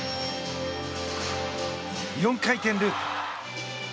４回転ループ。